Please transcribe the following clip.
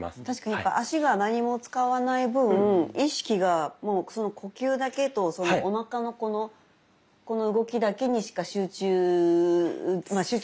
確かに足が何も使わない分意識が呼吸だけとおなかのこの動きだけにしか集中まあ